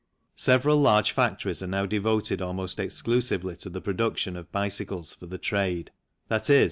Several large factories are now devoted almost ex clusively to the production of bicycles for the trade, i.e.